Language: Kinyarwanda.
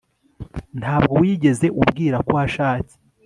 Ntabwo wigeze umbwira ko washatse